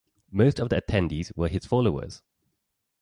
Most of the attendees were his followers.